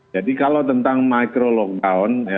jadi kalau tentang micro lockdown